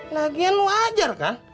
lagian wajar kan